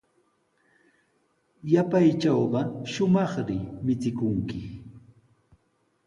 Yapaytrawqa shumaqri michikunki.